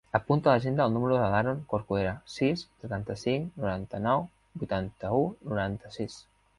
Apunta a l'agenda el número de l'Aaron Corcuera: sis, setanta-cinc, noranta-nou, vuitanta-u, noranta-sis.